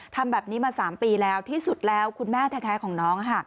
ทำแบบนี้มา๓ปีแล้วที่สุดแล้วคุณแม่แท้ของน้อง